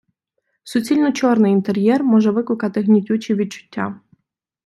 Суцільно чорний інтер'єр може викликати гнітючі відчуття.